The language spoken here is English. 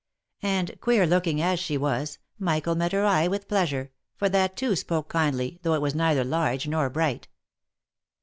And queer looking as she was, Michael met her eye with pleasure, for that too spoke kindly, though it was neither large nor bright.